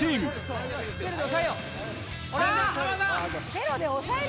ゼロで抑えよう！